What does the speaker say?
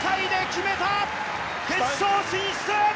決勝進出！